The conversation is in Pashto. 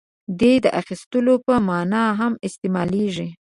• دې د اخیستلو په معنیٰ هم استعمالېږي.